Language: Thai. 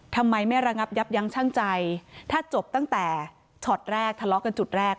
ทำไมไม่ระงับยับยั้งชั่งใจถ้าจบตั้งแต่ช็อตแรกทะเลาะกันจุดแรก